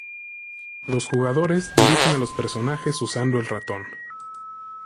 Los jugadores dirigen a los personajes usando el ratón.